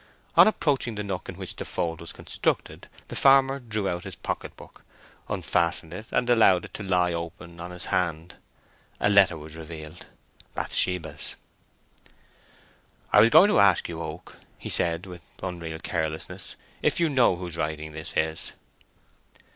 On approaching the nook in which the fold was constructed, the farmer drew out his pocket book, unfastened it, and allowed it to lie open on his hand. A letter was revealed—Bathsheba's. "I was going to ask you, Oak," he said, with unreal carelessness, "if you know whose writing this is?"